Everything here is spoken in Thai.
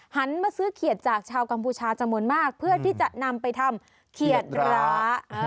หันมาซื้อเขียดจากชาวกัมพูชาจำนวนมากเพื่อที่จะนำไปทำเขียดร้า